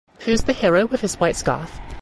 Pooh’s the hero with his white scarf.